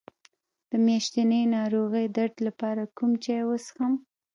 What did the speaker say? د میاشتنۍ ناروغۍ درد لپاره کوم چای وڅښم؟